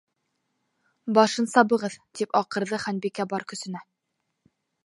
—Башын сабығыҙ! —тип аҡырҙы Ханбикә бар көсөнә.